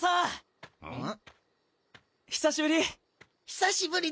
久しぶり！